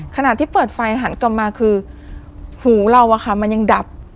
ขณะที่เปิดไฟหันกลับมาคือหูเราอะค่ะมันยังดับ